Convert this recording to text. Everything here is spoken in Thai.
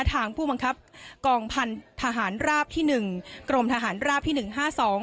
ทางผู้บังคับกองพันธหารราบที่หนึ่งกรมทหารราบที่หนึ่งห้าสอง